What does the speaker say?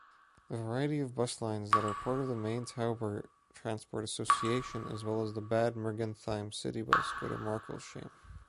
A variety of bus lines that are part of the Main-Tauber transport association as well as the Bad Mergentheim city bus go to Markelsheim.